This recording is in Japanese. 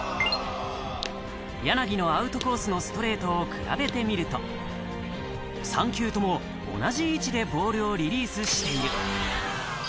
柳のアウトコースのストレートを比べてみると、３球とも同じ位置でボールをリリースしている。